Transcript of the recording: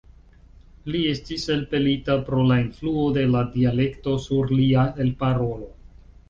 Li estis elpelita, pro la influo de la dialekto sur lia elparolo.